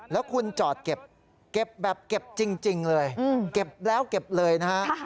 แล้วคุณจอดเก็บแบบเก็บจริงเลยเก็บแล้วเก็บเลยนะฮะ